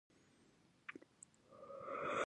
افغانستان په نړۍ کې د بزګانو لپاره مشهور دی.